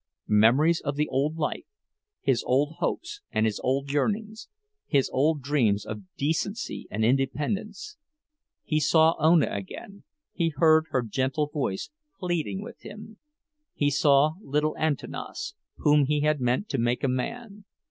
Memories of the old life—his old hopes and his old yearnings, his old dreams of decency and independence! He saw Ona again, he heard her gentle voice pleading with him. He saw little Antanas, whom he had meant to make a man.